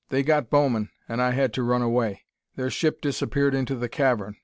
They got Bowman, and I had to run away. Their ship disappeared into the cavern.